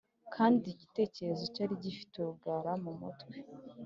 Kandi igitereko cyari gifite urugara mu mutwe